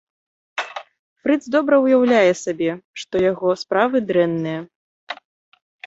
Фрыц добра ўяўляе сабе, што яго справы дрэнныя.